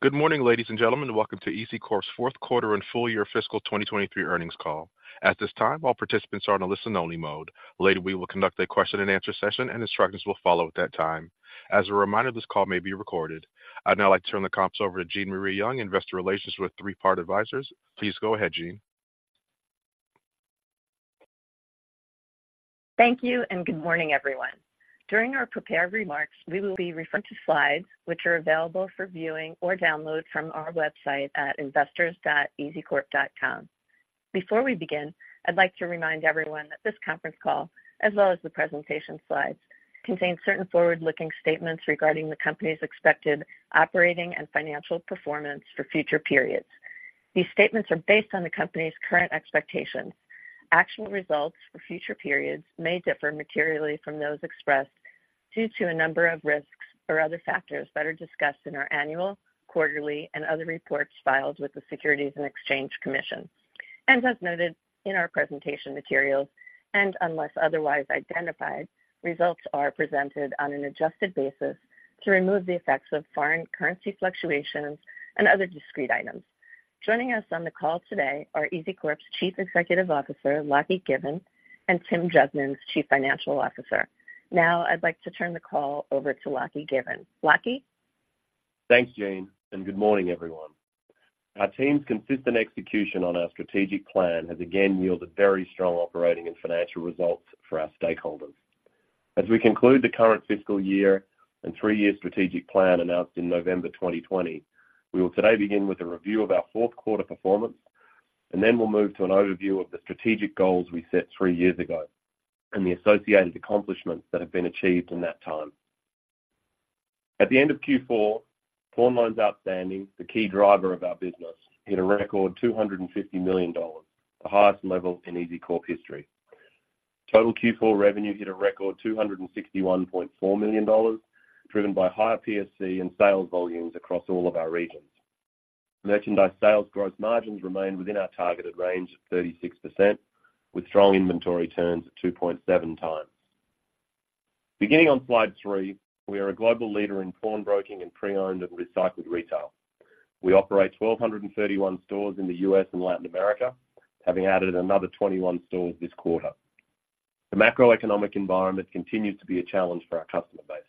Good morning, ladies and gentlemen. Welcome to EZCORP's Fourth Quarter and Full Year Fiscal 2023 Earnings Call. At this time, all participants are on a listen-only mode. Later, we will conduct a question and answer session, and instructions will follow at that time. As a reminder, this call may be recorded. I'd now like to turn the call over to Jean Marie Young, Investor Relations with Three Part Advisors. Please go ahead, Jean. Thank you, and good morning, everyone. During our prepared remarks, we will be referring to slides which are available for viewing or download from our website at investors.ezcorp.com. Before we begin, I'd like to remind everyone that this conference call, as well as the presentation slides, contains certain forward-looking statements regarding the company's expected operating and financial performance for future periods. These statements are based on the company's current expectations. Actual results for future periods may differ materially from those expressed due to a number of risks or other factors that are discussed in our annual, quarterly, and other reports filed with the Securities and Exchange Commission. As noted in our presentation materials and unless otherwise identified, results are presented on an adjusted basis to remove the effects of foreign currency fluctuations and other discrete items. Joining us on the call today are EZCORP's Chief Executive Officer, Lachie Given, and Tim Jugmans, Chief Financial Officer. Now, I'd like to turn the call over to Lachie Given. Lachie? Thanks, Jean, and good morning, everyone. Our team's consistent execution on our strategic plan has again yielded very strong operating and financial results for our stakeholders. As we conclude the current fiscal year and three-year strategic plan announced in November 2020, we will today begin with a review of our fourth quarter performance, and then we'll move to an overview of the strategic goals we set three years ago and the associated accomplishments that have been achieved in that time. At the end of Q4, pawn loans outstanding, the key driver of our business, hit a record $250 million, the highest level in EZCORP history. Total Q4 revenue hit a record $261.4 million, driven by higher PSC and sales volumes across all of our regions. Merchandise sales gross margins remained within our targeted range of 36%, with strong inventory turns at 2.7 times. Beginning on Slide 3, we are a global leader in pawnbroking and pre-owned and recycled retail. We operate 1,231 stores in the U.S. and Latin America, having added another 21 stores this quarter. The macroeconomic environment continues to be a challenge for our customer base,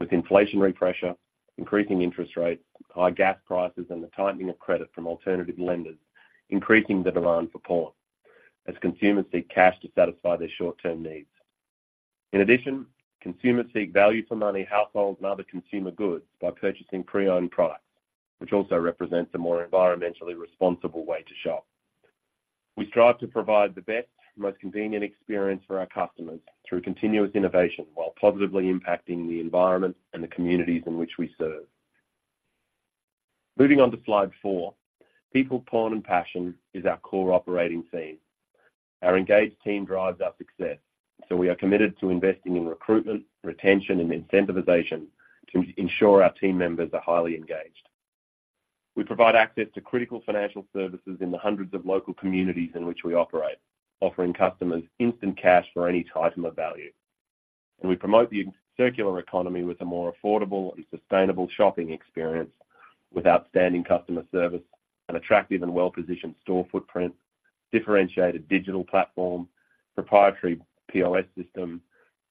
with inflationary pressure, increasing interest rates, high gas prices, and the tightening of credit from alternative lenders, increasing the demand for pawn as consumers seek cash to satisfy their short-term needs. In addition, consumers seek value for money, household, and other consumer goods by purchasing pre-owned products, which also represents a more environmentally responsible way to shop. We strive to provide the best, most convenient experience for our customers through continuous innovation while positively impacting the environment and the communities in which we serve. Moving on to Slide 4. People, pawn, and passion is our core operating theme. Our engaged team drives our success, so we are committed to investing in recruitment, retention, and incentivization to ensure our team members are highly engaged. We provide access to critical financial services in the hundreds of local communities in which we operate, offering customers instant cash for any item of value. We promote the circular economy with a more affordable and sustainable shopping experience with outstanding customer service, an attractive and well-positioned store footprint, differentiated digital platform, proprietary POS system,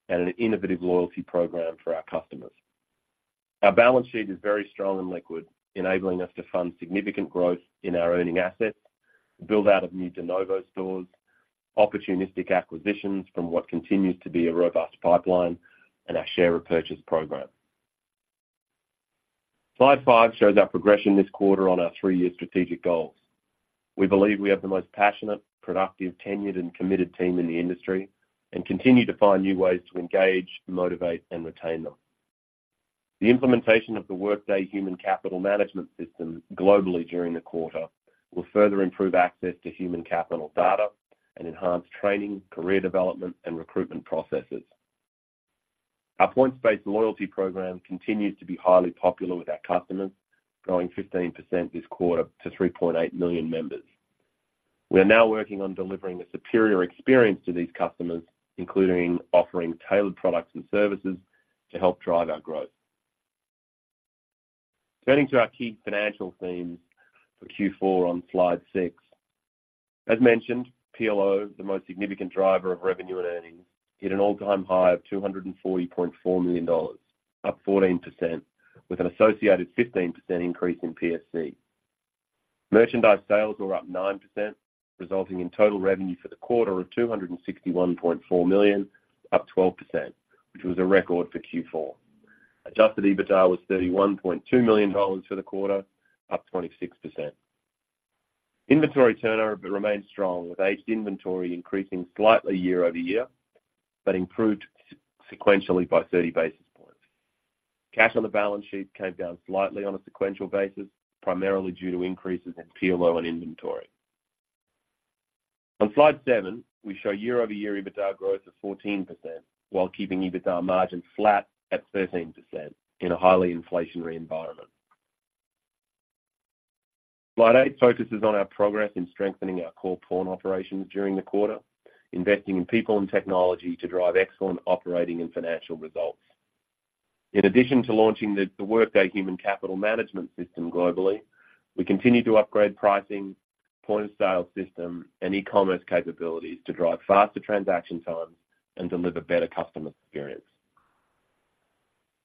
and an innovative loyalty program for our customers. Our balance sheet is very strong and liquid, enabling us to fund significant growth in our earning assets, build out of new de novo stores, opportunistic acquisitions from what continues to be a robust pipeline, and our share repurchase program. Slide 5 shows our progression this quarter on our three-year strategic goals. We believe we have the most passionate, productive, tenured, and committed team in the industry and continue to find new ways to engage, motivate, and retain them. The implementation of the Workday Human Capital Management system globally during the quarter will further improve access to human capital data and enhance training, career development, and recruitment processes. Our points-based loyalty program continues to be highly popular with our customers, growing 15% this quarter to 3.8 million members. We are now working on delivering a superior experience to these customers, including offering tailored products and services to help drive our growth. Turning to our key financial themes for Q4 on Slide 6. As mentioned, PLO, the most significant driver of revenue and earnings, hit an all-time high of $240.4 million, up 14%, with an associated 15% increase in PSC. Merchandise sales were up 9%, resulting in total revenue for the quarter of $261.4 million, up 12%, which was a record for Q4. Adjusted EBITDA was $31.2 million for the quarter, up 26%. Inventory turnover remains strong, with aged inventory increasing slightly year-over-year, but improved sequentially by 30 basis points. Cash on the balance sheet came down slightly on a sequential basis, primarily due to increases in PLO and inventory. On Slide 7, we show year-over-year EBITDA growth of 14% while keeping EBITDA margins flat at 13% in a highly inflationary environment. Slide 8 focuses on our progress in strengthening our core pawn operations during the quarter, investing in people and technology to drive excellent operating and financial results. In addition to launching the Workday Human Capital Management system globally, we continue to upgrade pricing, point-of-sale system, and e-commerce capabilities to drive faster transaction times and deliver better customer experience.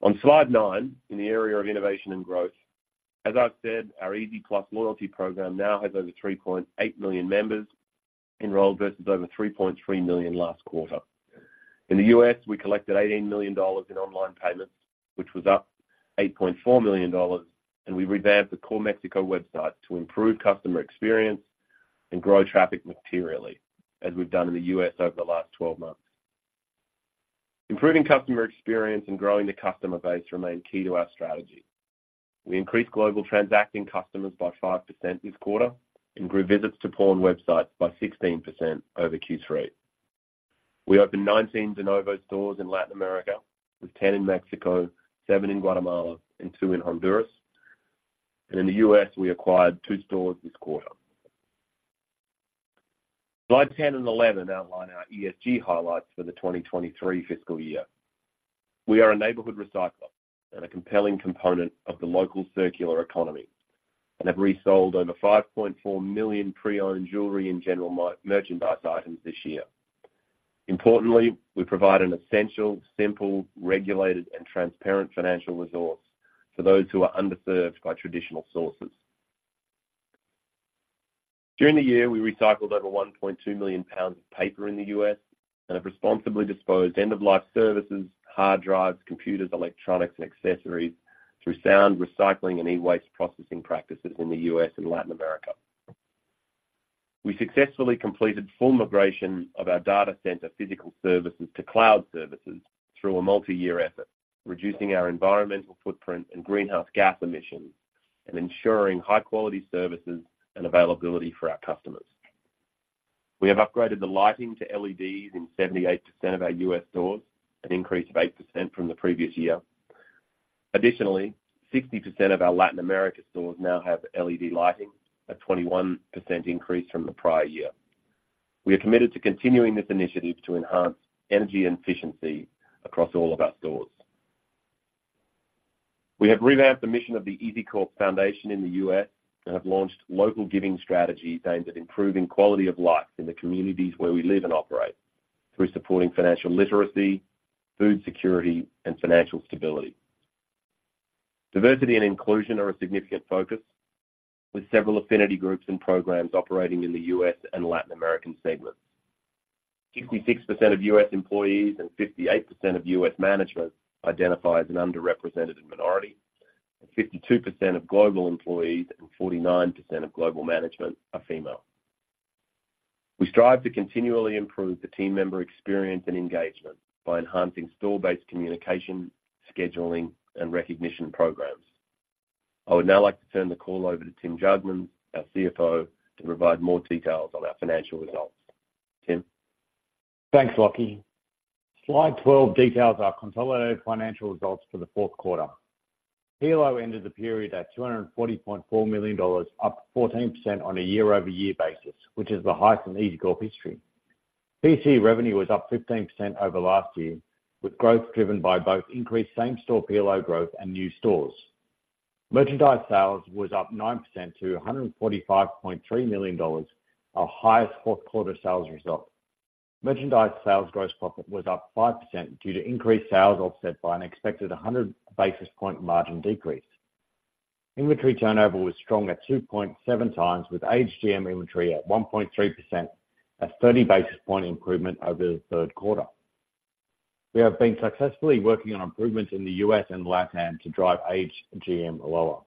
On Slide 9, in the area of innovation and growth, as I've said, our EZ+ loyalty program now has over 3.8 million members enrolled, versus over 3.3 million last quarter. In the U.S., we collected $18 million in online payments, which was up $8.4 million, and we revamped the core Mexico website to improve customer experience and grow traffic materially, as we've done in the U.S. over the last 12 months. Improving customer experience and growing the customer base remain key to our strategy. We increased global transacting customers by 5% this quarter, and grew visits to pawn websites by 16% over Q3. We opened 19 de novo stores in Latin America, with 10 in Mexico, seven in Guatemala, and two in Honduras. In the U.S., we acquired two stores this quarter. Slide 10 and 11 outline our ESG highlights for the 2023 fiscal year. We are a neighborhood recycler and a compelling component of the local circular economy, and have resold over 5.4 million pre-owned jewelry and general merchandise items this year. Importantly, we provide an essential, simple, regulated, and transparent financial resource for those who are underserved by traditional sources. During the year, we recycled over 1.2 million pounds of paper in the U.S. and have responsibly disposed end-of-life services, hard drives, computers, electronics, and accessories through sound recycling and e-waste processing practices in the U.S. and Latin America. We successfully completed full migration of our data center physical services to cloud services through a multi-year effort, reducing our environmental footprint and greenhouse gas emissions, and ensuring high-quality services and availability for our customers. We have upgraded the lighting to LEDs in 78% of our U.S. stores, an increase of 8% from the previous year. Additionally, 60% of our Latin America stores now have LED lighting, a 21% increase from the prior year. We are committed to continuing this initiative to enhance energy efficiency across all of our stores. We have revamped the mission of the EZCORP Foundation in the U.S. and have launched local giving strategies aimed at improving quality of life in the communities where we live and operate, through supporting financial literacy, food security, and financial stability. Diversity and inclusion are a significant focus, with several affinity groups and programs operating in the U.S. and Latin American segments. 66% of U.S. employees and 58% of U.S. management identify as an underrepresented minority, and 52% of global employees and 49% of global management are female. We strive to continually improve the team member experience and engagement by enhancing store-based communication, scheduling, and recognition programs. I would now like to turn the call over to Tim Jugmans, our CFO, to provide more details on our financial results. Tim? Thanks, Lachie. Slide 12 details our consolidated financial results for the fourth quarter. PLO ended the period at $240.4 million, up 14% on a year-over-year basis, which is the highest in EZCORP history. PSC revenue was up 15% over last year, with growth driven by both increased same-store PLO growth and new stores. Merchandise sales was up 9% to $145.3 million, our highest fourth quarter sales result. Merchandise sales gross profit was up 5% due to increased sales, offset by an expected 100 basis point margin decrease. Inventory turnover was strong at 2.7 times, with aged GM inventory at 1.3%, a 30 basis point improvement over the third quarter. We have been successfully working on improvements in the U.S. and LATAM to drive aged GM lower.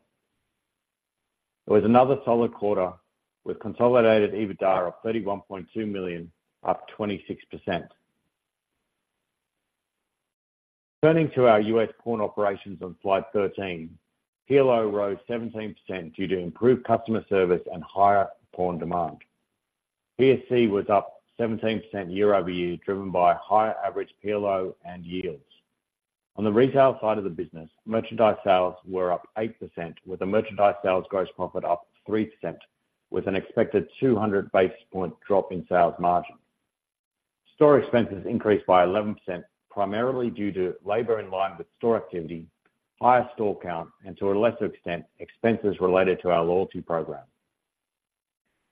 It was another solid quarter, with consolidated EBITDA of $31.2 million, up 26%. Turning to our U.S. pawn operations on Slide 13, PLO rose 17% due to improved customer service and higher pawn demand. PSC was up 17% year-over-year, driven by higher average PLO and yields. On the retail side of the business, merchandise sales were up 8%, with the merchandise sales gross profit up 3%, with an expected 200 basis point drop in sales margin. Store expenses increased by 11%, primarily due to labor in line with store activity, higher store count, and to a lesser extent, expenses related to our loyalty program.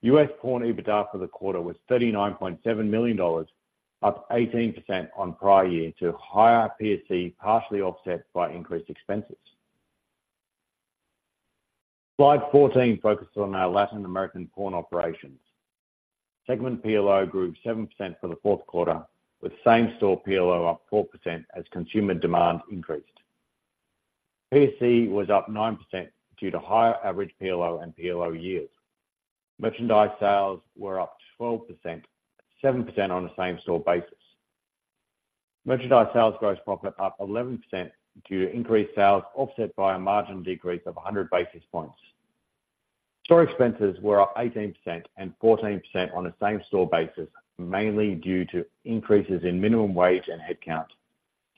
U.S. pawn EBITDA for the quarter was $39.7 million, up 18% on prior year to higher PSC, partially offset by increased expenses. Slide 14 focuses on our Latin American pawn operations. Segment PLO grew 7% for the fourth quarter, with same-store PLO up 4% as consumer demand increased. PSC was up 9% due to higher average PLO and PLO yields. Merchandise sales were up 12%, 7% on a same-store basis. Merchandise sales gross profit up 11% due to increased sales, offset by a margin decrease of 100 basis points. Store expenses were up 18% and 14% on a same-store basis, mainly due to increases in minimum wage and headcount,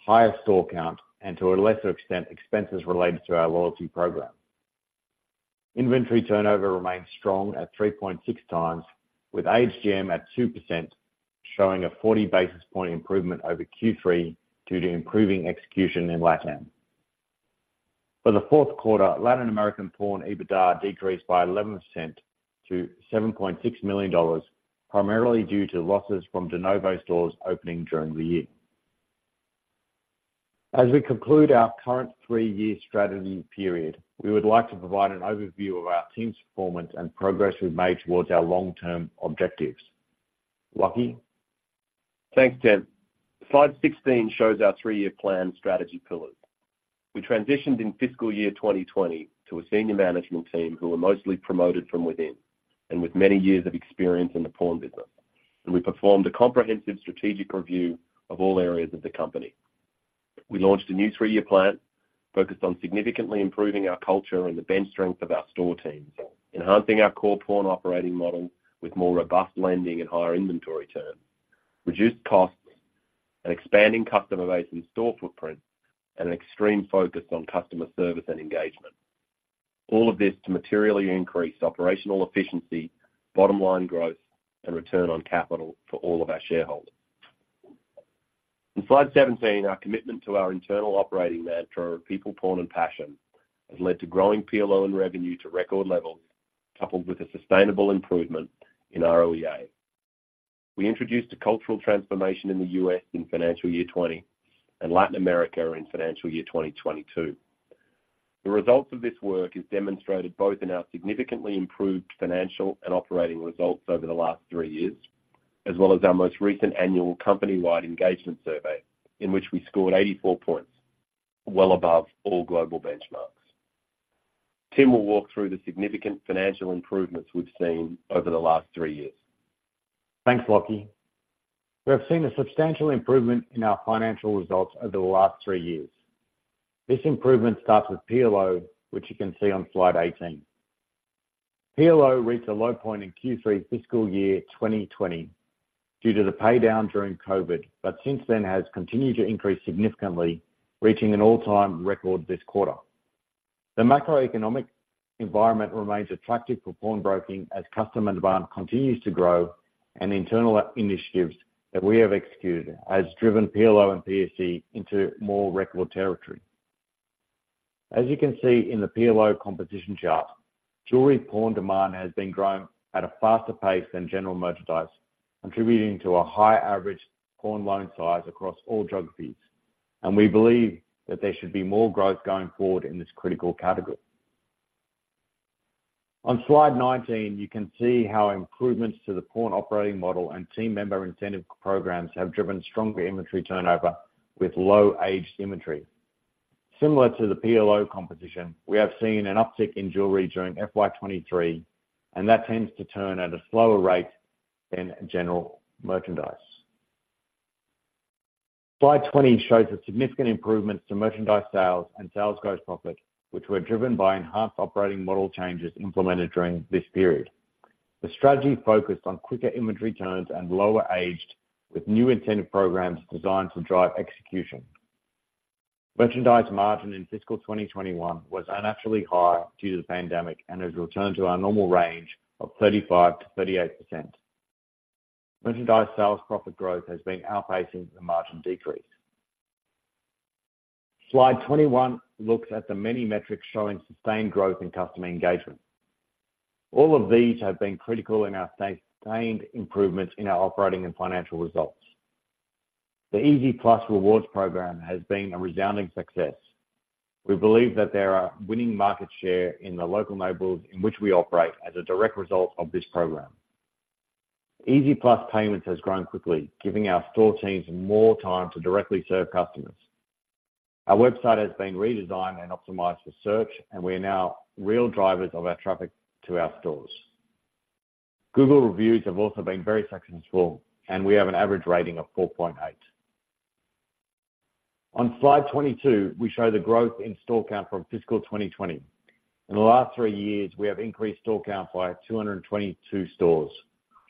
higher store count, and to a lesser extent, expenses related to our loyalty program. Inventory turnover remains strong at 3.6 times, with AGM at 2%, showing a 40 basis point improvement over Q3, due to improving execution in Latin. For the fourth quarter, Latin American pawn EBITDA decreased by 11% to $7.6 million, primarily due to losses from de novo stores opening during the year. As we conclude our current three-year strategy period, we would like to provide an overview of our team's performance and progress we've made towards our long-term objectives. Lachie? Thanks, Tim. Slide 16 shows our three-year plan strategy pillars. We transitioned in fiscal year 2020 to a senior management team who were mostly promoted from within, and with many years of experience in the pawn business, and we performed a comprehensive strategic review of all areas of the company. We launched a new three-year plan focused on significantly improving our culture and the bench strength of our store teams, enhancing our core pawn operating model with more robust lending and higher inventory turns, reduced costs, and expanding customer base and store footprint, and an extreme focus on customer service and engagement. All of this to materially increase operational efficiency, bottom-line growth, and return on capital for all of our shareholders. In Slide 17, our commitment to our internal operating mantra of people, pawn, and passion, has led to growing PLO and revenue to record levels, coupled with a sustainable improvement in ROEA. We introduced a cultural transformation in the U.S. in financial year 2020, and Latin America in financial year 2022. The results of this work is demonstrated both in our significantly improved financial and operating results over the last three years, as well as our most recent annual company-wide engagement survey, in which we scored 84 points, well above all global benchmarks. Tim will walk through the significant financial improvements we've seen over the last three years. Thanks, Lachie. We have seen a substantial improvement in our financial results over the last three years. This improvement starts with PLO, which you can see on Slide 18. PLO reached a low point in Q3 fiscal year 2020 due to the pay down during COVID, but since then has continued to increase significantly, reaching an all-time record this quarter. The macroeconomic environment remains attractive for pawnbroking as customer demand continues to grow, and internal initiatives that we have executed has driven PLO and PSC into more record territory. As you can see in the PLO composition chart, jewelry pawn demand has been growing at a faster pace than general merchandise, contributing to a high average pawn loan size across all geographies, and we believe that there should be more growth going forward in this critical category. On Slide 19, you can see how improvements to the pawn operating model and team member incentive programs have driven stronger inventory turnover with low-aged inventory. Similar to the PLO competition, we have seen an uptick in jewelry during FY 2023, and that tends to turn at a slower rate than general merchandise. Slide 20 shows the significant improvements to merchandise sales and sales gross profit, which were driven by enhanced operating model changes implemented during this period. The strategy focused on quicker inventory turns and lower aged, with new incentive programs designed to drive execution. Merchandise margin in fiscal 2021 was unnaturally high due to the pandemic, and has returned to our normal range of 35%-38%. Merchandise sales profit growth has been outpacing the margin decrease. Slide 21 looks at the many metrics showing sustained growth in customer engagement. All of these have been critical in our sustained improvements in our operating and financial results. The EZ+ Rewards Program has been a resounding success. We believe we're winning market share in the local neighborhoods in which we operate as a direct result of this program. EZ+ Payments has grown quickly, giving our store teams more time to directly serve customers. Our website has been redesigned and optimized for search, and we're now really driving our traffic to our stores. Google Reviews have also been very successful, and we have an average rating of 4.8. On Slide 22, we show the growth in store count from fiscal 2020. In the last three years, we have increased store count by 222 stores.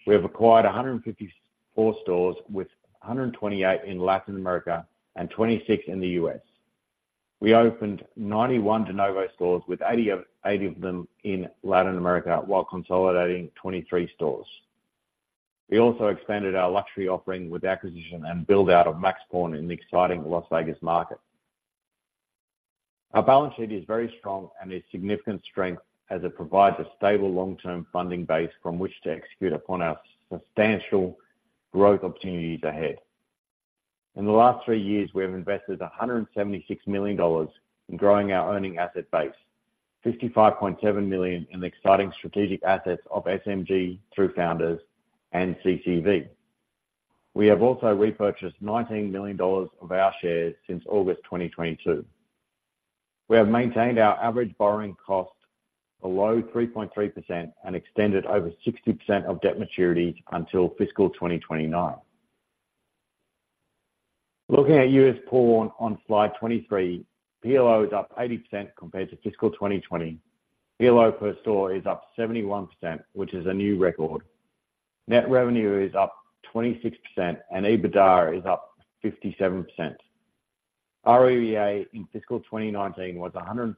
We have acquired 154 stores, with 128 in Latin America and 26 in the U.S. We opened 91 de novo stores, with 80 of them in Latin America, while consolidating 23 stores. We also expanded our luxury offering with the acquisition and build-out of Max Pawn in the exciting Las Vegas market. Our balance sheet is very strong and a significant strength as it provides a stable long-term funding base from which to execute upon our substantial growth opportunities ahead. In the last three years, we have invested $176 million in growing our earning asset base, $55.7 million in the exciting strategic assets of SMG through Founders and CCV. We have also repurchased $19 million of our shares since August 2022. We have maintained our average borrowing cost below 3.3% and extended over 60% of debt maturities until fiscal 2029. Looking at U.S. Pawn on Slide 23, PLO is up 80% compared to fiscal 2020. PLO per store is up 71%, which is a new record. Net revenue is up 26% and EBITDA is up 57%. ROEA in fiscal 2019 was 133%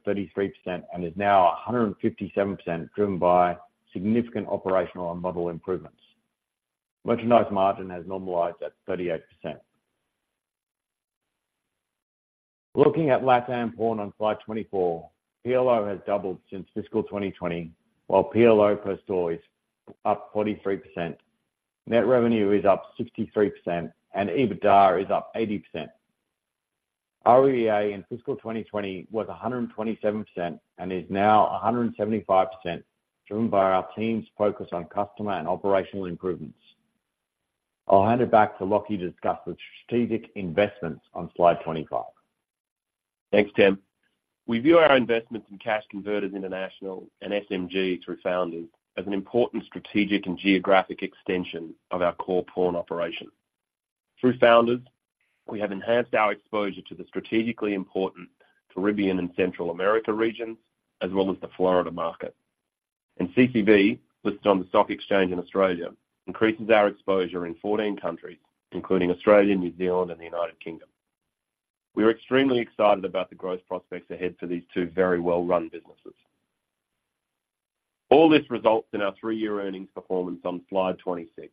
and is now 157%, driven by significant operational and model improvements. Merchandise margin has normalized at 38%. Looking at LATAM pawn on Slide 24, PLO has doubled since fiscal 2020, while PLO per store is up 43%. Net revenue is up 63% and EBITDA is up 80%. ROEA in fiscal 2020 was 127% and is now 175%, driven by our team's focus on customer and operational improvements. I'll hand it back to Lachie to discuss the strategic investments on Slide 25. Thanks, Tim. We view our investments in Cash Converters International and SMG through Founders as an important strategic and geographic extension of our core pawn operation. Through Founders, we have enhanced our exposure to the strategically important Caribbean and Central America regions, as well as the Florida market. And CCV, listed on the stock exchange in Australia, increases our exposure in 14 countries, including Australia, New Zealand, and the United Kingdom. We are extremely excited about the growth prospects ahead for these two very well-run businesses. All this results in our three-year earnings performance on Slide 26.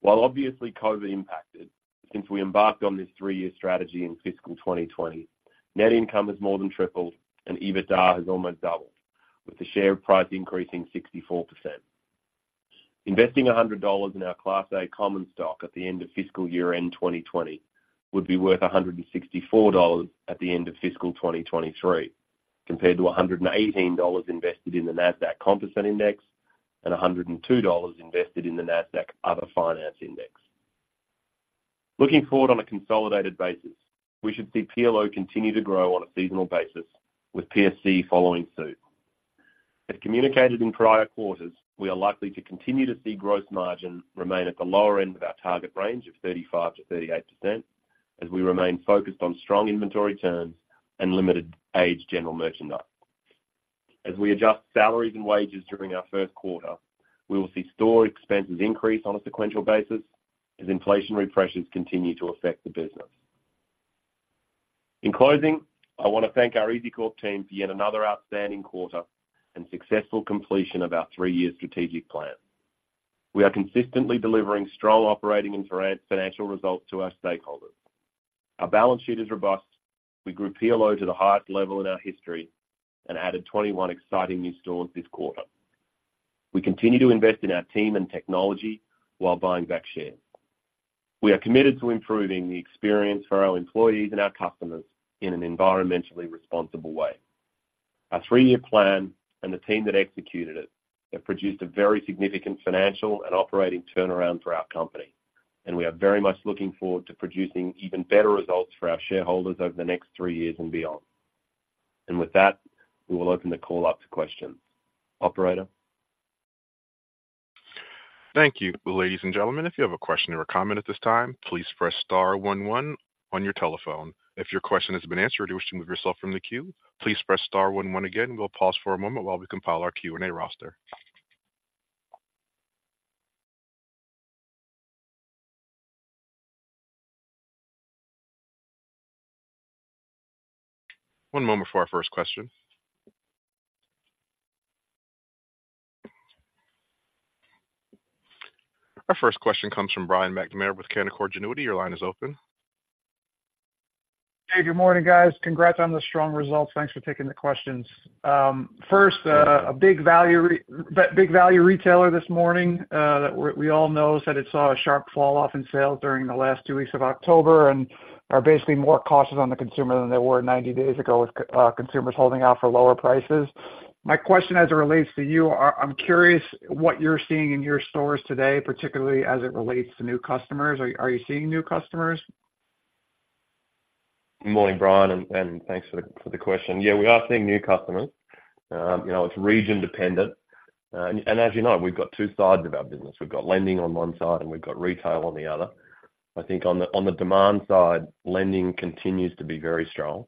While obviously COVID impacted, since we embarked on this three-year strategy in fiscal 2020, net income has more than tripled and EBITDA has almost doubled, with the share price increasing 64%. Investing $100 in our class A common stock at the end of fiscal year-end 2020 would be worth $164 at the end of fiscal 2023, compared to $118 invested in the NASDAQ Composite Index and $102 invested in the NASDAQ Other Finance Index. Looking forward on a consolidated basis, we should see PLO continue to grow on a seasonal basis, with PSC following suit. As communicated in prior quarters, we are likely to continue to see gross margin remain at the lower end of our target range of 35%-38%, as we remain focused on strong inventory turns and limited aged general merchandise. As we adjust salaries and wages during our first quarter, we will see store expenses increase on a sequential basis as inflationary pressures continue to affect the business. In closing, I want to thank our EZCORP team for yet another outstanding quarter and successful completion of our three-year strategic plan. We are consistently delivering strong operating and financial results to our stakeholders. Our balance sheet is robust. We grew PLO to the highest level in our history and added 21 exciting new stores this quarter. We continue to invest in our team and technology while buying back shares. We are committed to improving the experience for our employees and our customers in an environmentally responsible way. Our three-year plan and the team that executed it have produced a very significant financial and operating turnaround for our company, and we are very much looking forward to producing even better results for our shareholders over the next three years and beyond. With that, we will open the call up to questions. Operator? Thank you. Ladies and gentlemen, if you have a question or a comment at this time, please press star one one on your telephone. If your question has been answered, or you wish to move yourself from the queue, please press star one one again, and we'll pause for a moment while we compile our Q&A roster. One moment for our first question. Our first question comes from Brian McNamara with Canaccord Genuity. Your line is open. Hey, good morning, guys. Congrats on the strong results. Thanks for taking the questions. First, a big value retailer this morning that we all know said it saw a sharp falloff in sales during the last two weeks of October and are basically more cautious on the consumer than they were 90 days ago, with consumers holding out for lower prices. My question as it relates to you are, I'm curious what you're seeing in your stores today, particularly as it relates to new customers. Are you seeing new customers? Good morning, Brian, and thanks for the question. Yeah, we are seeing new customers. You know, it's region dependent. And as you know, we've got two sides of our business. We've got lending on one side, and we've got retail on the other. I think on the demand side, lending continues to be very strong,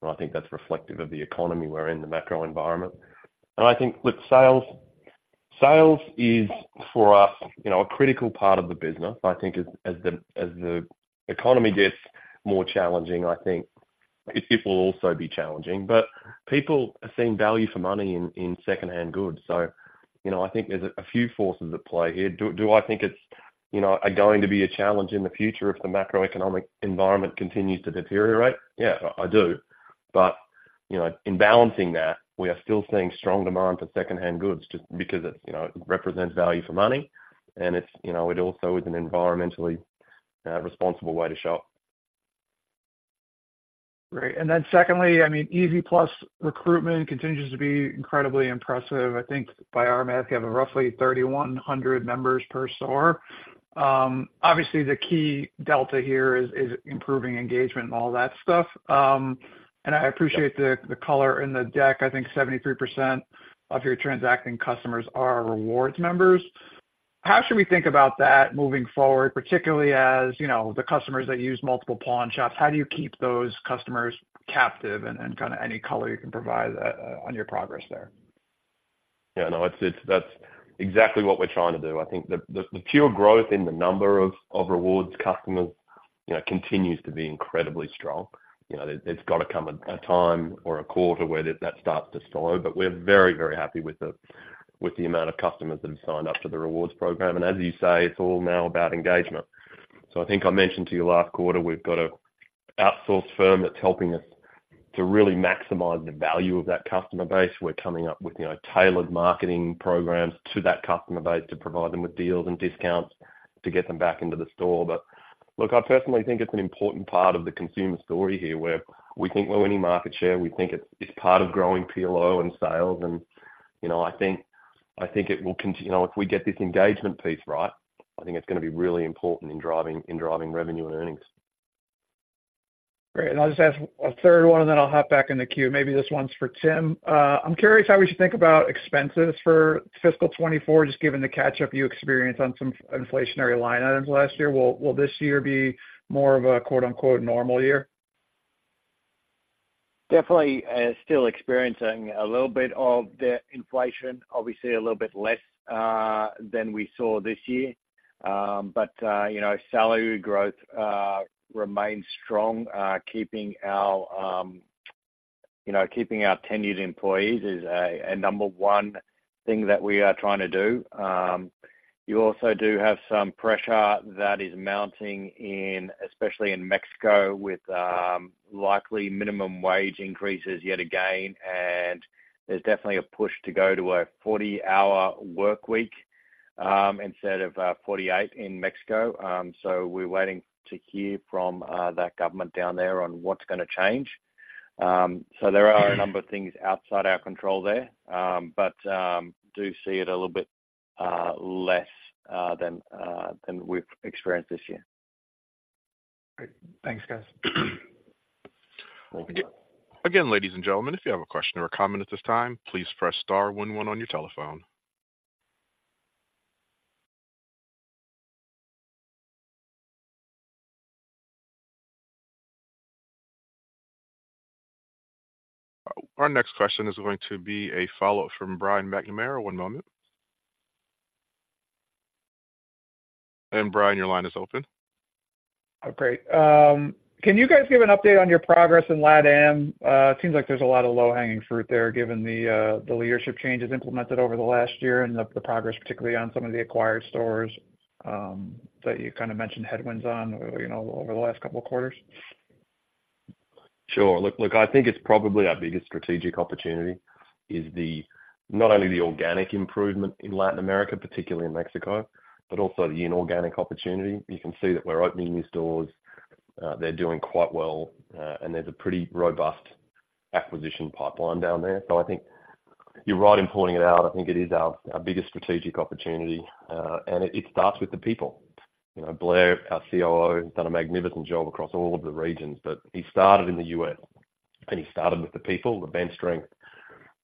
and I think that's reflective of the economy we're in, the macro environment. And I think, look, sales is, for us, you know, a critical part of the business. I think as the economy gets more challenging, I think it will also be challenging. But people are seeing value for money in secondhand goods. So, you know, I think there's a few forces at play here. Do I think it's, you know, are going to be a challenge in the future if the macroeconomic environment continues to deteriorate? Yeah, I do. But, you know, in balancing that, we are still seeing strong demand for secondhand goods just because it, you know, represents value for money and it's, you know, it also is an environmentally responsible way to shop. Great. Then secondly, I mean, EZ+ recruitment continues to be incredibly impressive. I think by our math, you have roughly 3,100 members per store. Obviously, the key delta here is improving engagement and all that stuff. And I appreciate the color in the deck. I think 73% of your transacting customers are rewards members. How should we think about that moving forward, particularly as, you know, the customers that use multiple pawn shops, how do you keep those customers captive? And kind of any color you can provide on your progress there? Yeah, no, it's, that's exactly what we're trying to do. I think the pure growth in the number of rewards customers, you know, continues to be incredibly strong. You know, there's got to come a time or a quarter where that starts to slow, but we're very, very happy with the amount of customers that have signed up to the rewards program. And as you say, it's all now about engagement. So I think I mentioned to you last quarter, we've got an outsourced firm that's helping us to really maximize the value of that customer base. We're coming up with, you know, tailored marketing programs to that customer base to provide them with deals and discounts to get them back into the store. But look, I personally think it's an important part of the consumer story here, where we think we're winning market share. We think it's part of growing PLO and sales. And, you know, I think it will continue, you know, if we get this engagement piece right, I think it's going to be really important in driving revenue and earnings. Great. And I'll just ask a third one, and then I'll hop back in the queue. Maybe this one's for Tim. I'm curious how we should think about expenses for fiscal 2024, just given the catch-up you experienced on some inflationary line items last year. Will this year be more of a, quote-unquote, normal year? Definitely, still experiencing a little bit of the inflation. Obviously, a little bit less than we saw this year. But you know, keeping our tenured employees is a number one thing that we are trying to do. You also do have some pressure that is mounting, especially in Mexico, with likely minimum wage increases yet again. And there's definitely a push to go to a 40-hour work week instead of 48-hour in Mexico. So we're waiting to hear from that government down there on what's going to change. So there are a number of things outside our control there. But do see it a little bit less than we've experienced this year. Great. Thanks, guys. Thank you. Again, ladies and gentlemen, if you have a question or a comment at this time, please press star one one on your telephone. Our next question is going to be a follow-up from Brian McNamara. One moment. And Brian, your line is open. Oh, great. Can you guys give an update on your progress in LATAM? It seems like there's a lot of low-hanging fruit there, given the, the leadership changes implemented over the last year and the, the progress, particularly on some of the acquired stores, that you kind of mentioned headwinds on, you know, over the last couple of quarters. Sure. Look, I think it's probably our biggest strategic opportunity, is the not only the organic improvement in Latin America, particularly in Mexico, but also the inorganic opportunity. You can see that we're opening new stores. They're doing quite well, and there's a pretty robust acquisition pipeline down there. So I think you're right in pointing it out. I think it is our biggest strategic opportunity, and it starts with the people. You know, Blair, our COO, has done a magnificent job across all of the regions, but he started in the U.S., and he started with the people, the bench strength.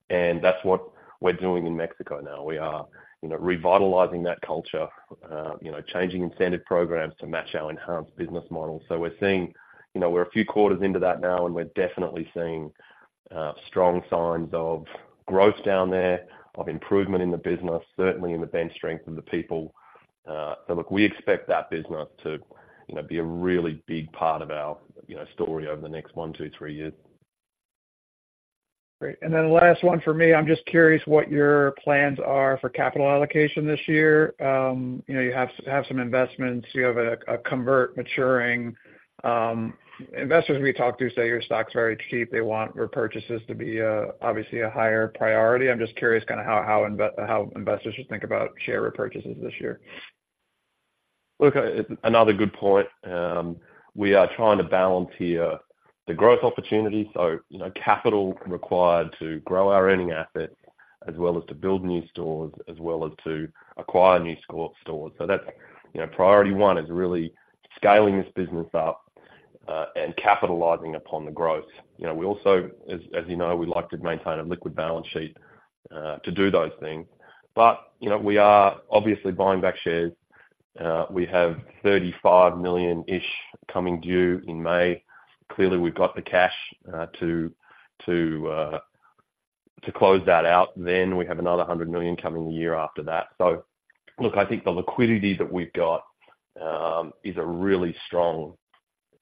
And that's what we're doing in Mexico now. We are, you know, revitalizing that culture, you know, changing incentive programs to match our enhanced business model. So we're seeing, you know, we're a few quarters into that now, and we're definitely seeing strong signs of growth down there, of improvement in the business, certainly in the bench strength of the people. So look, we expect that business to, you know, be a really big part of our, you know, story over the next one, two, three years. Great. And then the last one for me, I'm just curious what your plans are for capital allocation this year. You know, you have some investments. You have a convert maturing. Investors we talk to say your stock's very cheap. They want repurchases to be obviously a higher priority. I'm just curious kind of how investors should think about share repurchases this year. Look, another good point. We are trying to balance here the growth opportunities. So, you know, capital required to grow our earning assets, as well as to build new stores, as well as to acquire new stores. So that's, you know, priority one is really scaling this business up and capitalizing upon the growth. You know, we also, as you know, we like to maintain a liquid balance sheet to do those things. But, you know, we are obviously buying back shares. We have $35 million-ish coming due in May. Clearly, we've got the cash to close that out. Then we have another $100 million coming the year after that. So look, I think the liquidity that we've got is a really strong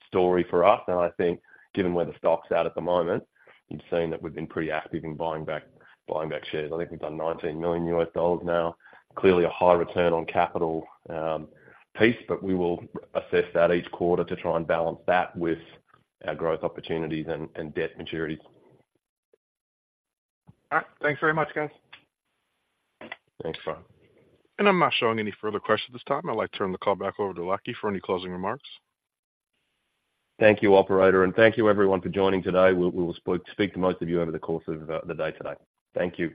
story for us. I think given where the stock's at the moment, you've seen that we've been pretty active in buying back, buying back shares. I think we've done $19 million now. Clearly, a high return on capital, piece, but we will assess that each quarter to try and balance that with our growth opportunities and debt maturities. All right. Thanks very much, guys. Thanks, Brian. I'm not showing any further questions at this time. I'd like to turn the call back over to Lachie for any closing remarks. Thank you, operator, and thank you everyone for joining today. We'll speak to most of you over the course of the day today. Thank you.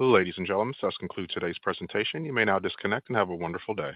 Ladies and gentlemen, this concludes today's presentation. You may now disconnect and have a wonderful day.